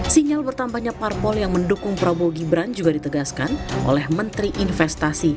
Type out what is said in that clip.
sinyal bertambahnya parpol yang mendukung prabowo gibran juga ditegaskan oleh menteri investasi